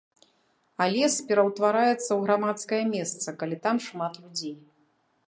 А лес пераўтвараецца ў грамадскае месца, калі там шмат людзей.